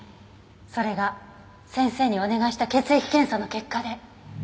それが先生にお願いした血液検査の結果で。